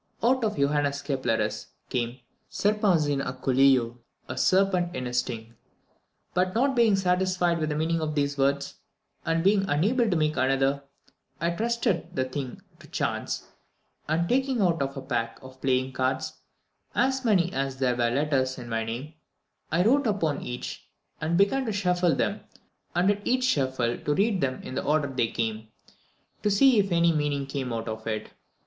Out of Joannes Keplerus came Serpens in Akuleo (a serpent in his sting); but not being satisfied with the meaning of these words, and being unable to make another, I trusted the thing to chance, and taking out of a pack of playing cards as many as there were letters in the name, I wrote one upon each, and then began to shuffle them, and at each shuffle to read them in the order they came, to see if any meaning came of it.